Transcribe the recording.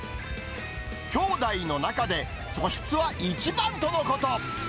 きょうだいの中で素質は一番とのこと。